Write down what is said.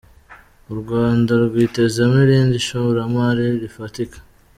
U Rwanda rwitezemo irindi shoramari rifatika.